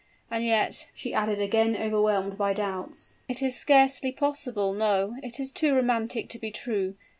And yet," she added, again overwhelmed by doubts, "it is scarcely possible no, it is too romantic to be true!